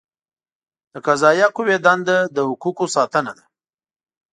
د قضائیه قوې دنده له حقوقو ساتنه ده.